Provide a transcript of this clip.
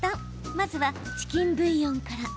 まずは、チキンブイヨンから。